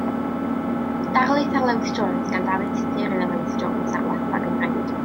Darlith ar Lewis Jones gan Dafydd Tudur yw Lewis Jones a'r Wladfa Gymreig.